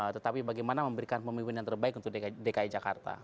tetapi bagaimana memberikan pemimpin yang terbaik untuk dki jakarta